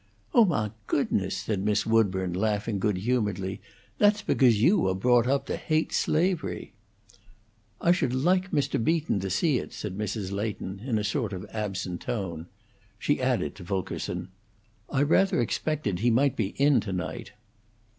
"Oh, mah goodness!" said Miss Woodburn, laughing good humoredly. "That's becose you were brought up to hate slavery." "I should like Mr. Beaton to see it," said Mrs. Leighton, in a sort of absent tone. She added, to Fulkerson: "I rather expected he might be in to night."